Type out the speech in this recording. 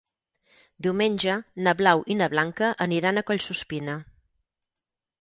Diumenge na Blau i na Blanca aniran a Collsuspina.